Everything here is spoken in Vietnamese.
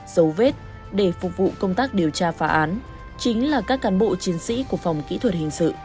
dấu vết để phục vụ công tác điều tra phá án chính là các cán bộ chiến sĩ của phòng kỹ thuật hình sự